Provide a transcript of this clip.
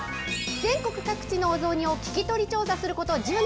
全国各地のお雑煮を聞き取り調査すること１０年。